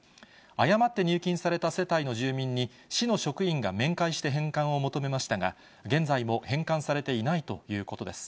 誤って入金された世帯の住民に、市の職員が面会して返還を求めましたが、現在も返還されていないということです。